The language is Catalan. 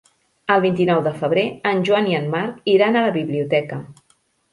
El vint-i-nou de febrer en Joan i en Marc iran a la biblioteca.